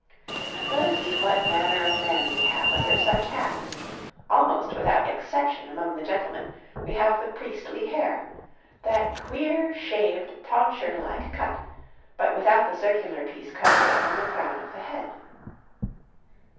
Let us see what manner of man we have under such hats: almost without exception among the gentlemen we have the priestly hair that queer, shaved, tonsure like cut, but without the circular piece cut away from the crown of the head.